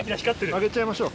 上げちゃいましょう。